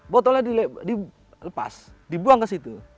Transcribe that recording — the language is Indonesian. botolnya dilepas dibuang ke situ